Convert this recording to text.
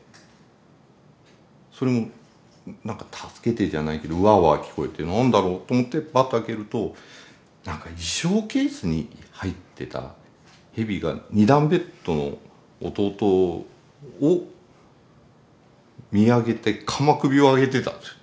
それもなんか「助けて」じゃないけどワーワー聞こえて何だろうと思ってパッと開けるとなんか衣装ケースに入ってたヘビが二段ベッドの弟を見上げて鎌首を上げてたんですよ。